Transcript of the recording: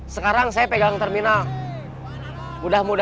sekarang saya pegang terminal